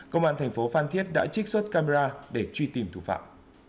công an thành phố phan thiết đã trích xuất camera để truy tìm thủ phạm